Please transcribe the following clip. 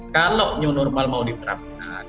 kalau new normal mau diterapkan